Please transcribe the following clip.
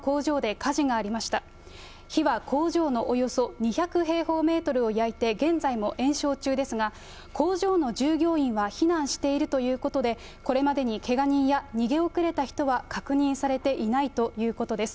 火は工場のおよそ２００平方メートルを焼いて、現在も延焼中ですが、工場の従業員は避難しているということで、これまでにけが人や逃げ遅れた人は確認されていないということです。